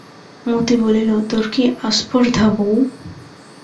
মতি বলিল, তোর কী আস্পর্ধা বৌ!